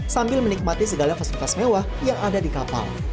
sambil menikmati segala fasilitas mewah yang ada di kapal